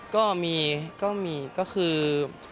ก็มีก็คือ